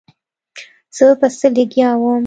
زه په څه لګيا وم.